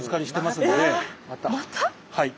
はい。